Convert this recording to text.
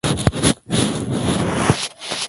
নিন, মাল খান।